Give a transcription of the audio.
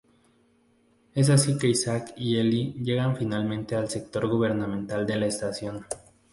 Es así que Isaac y Ellie llegan finalmente al sector gubernamental de la estación.